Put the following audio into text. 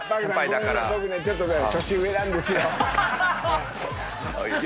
僕ねちょっと年上なんですよ。